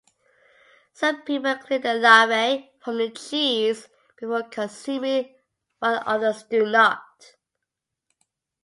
Some people clear the larvae from the cheese before consuming while others do not.